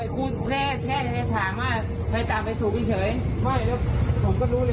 แค่ถามว่าไฟตำไฟถูกมันเฉย